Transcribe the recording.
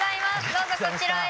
どうぞこちらへ。